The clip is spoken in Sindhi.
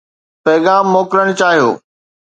پيغام موڪلڻ چاهيو